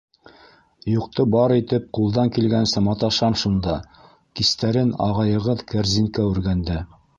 Юҡты бар итеп ҡулдан килгәнсә маташам шунда, кистәрен ағайығыҙ кәрзинкә үргәндә.